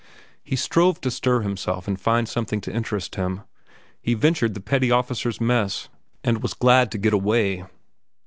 He strove to stir himself and find something to interest him. He ventured the petty officers' mess, and was glad to get away.